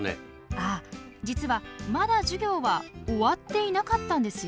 ああ実はまだ授業は終わっていなかったんですよ。